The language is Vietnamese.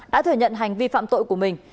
đã thừa nhận hành vi phạm tội của mình